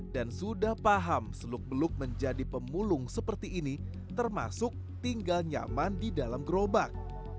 dan sudah paham seluk beluk menjadi pembulung seperti ini termasuk tinggal nyaman di dalam gerobak